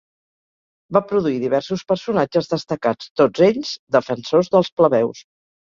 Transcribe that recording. Va produir diversos personatges destacats, tots ells defensors dels plebeus.